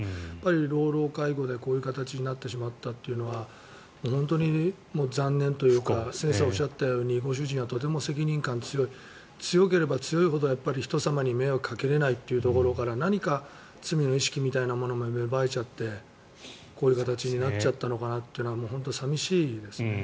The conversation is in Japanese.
老老介護でこういう形になってしまったというのは本当に残念というか先生がおっしゃったようにご主人はとても責任感が強い強ければ強いほど人様に迷惑をかけれないというところから何か罪の意識みたいなものが芽生えちゃってこういう形になっちゃったのかなというのは本当に寂しいですね。